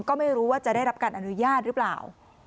ก็ไม่รู้ว่าจะได้รับการอนุญาตหรือเปล่า